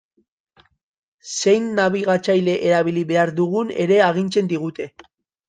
Zein nabigatzaile erabili behar dugun ere agintzen digute.